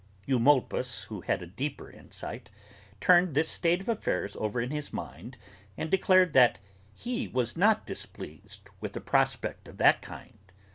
Eumolpus, who had a deeper insight, turned this state of affairs over in his mind and declared that he was not displeased with a prospect of that kind.